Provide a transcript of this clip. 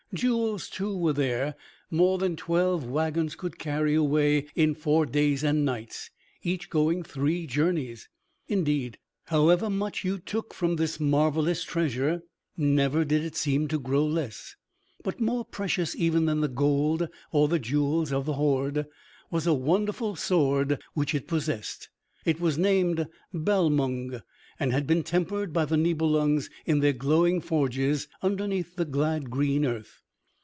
Jewels, too, were there, more than twelve wagons could carry away in four days and nights, each going three journeys. Indeed, however much you took from this marvelous treasure, never did it seem to grow less. But more precious even than the gold or the jewels of the hoard was a wonderful sword which it possessed. It was named Balmung, and had been tempered by the Nibelungs in their glowing forges underneath the glad green earth.